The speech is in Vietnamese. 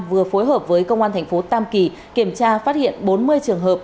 vừa phối hợp với công an thành phố tam kỳ kiểm tra phát hiện bốn mươi trường hợp